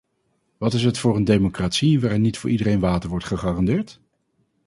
Wat is het voor een democratie waarin niet voor iedereen water wordt gegarandeerd?